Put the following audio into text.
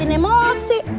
jangan bikin emosi